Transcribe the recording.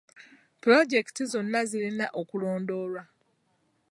Pulojekiti zonna zirina okulondoolwa.